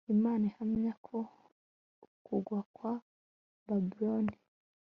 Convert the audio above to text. Imana ihamya ko ukugwa kwa Babuloni